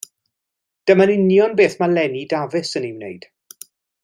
Dyna'n union beth mae Lenni Dafis yn ei wneud.